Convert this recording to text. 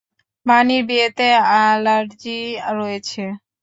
বানির বিয়েতে অ্যালার্জি রয়েছে।